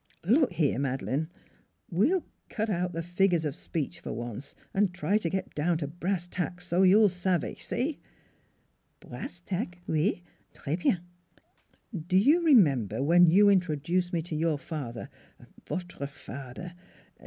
" Look here, Madeleine, we'll cut out the figures of speech, for once, an' try to get down to brass tacks, so you'll savez see ?"" Brasstack oui. Tres bien!" " Do you remember when you introduced me to your father votre fader.